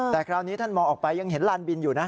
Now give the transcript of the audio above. แต่คราวนี้ท่านมองออกไปยังเห็นลานบินอยู่นะ